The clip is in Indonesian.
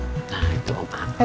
nah itu pak